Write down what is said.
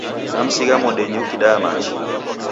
Namsigha modenyi ukidaya machi.